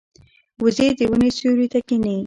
وزې د ونو سیوري ته کیني